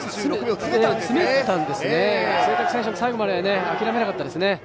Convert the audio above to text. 潰滝選手、最後まで諦めなかったですね。